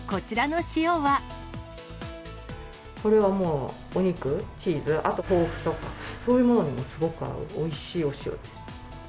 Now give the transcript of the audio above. これはもう、お肉、チーズ、あと豆腐とか、そういうものにすごく合う、おいしいお塩です。